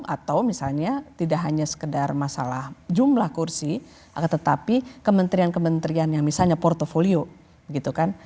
atau misalnya tidak hanya sekedar masalah jumlah kursi tetapi kementerian kementerian yang misalnya portfolio gitu kan